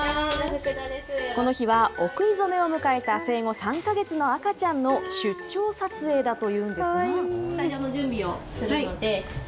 この日はお食い初めを迎えた生後３か月の赤ちゃんの出張撮影だというんですが。